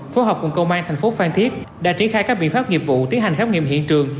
phố hợp cùng công an tp phan thiết đã triển khai các biện pháp nghiệp vụ tiến hành khám nghiệm hiện trường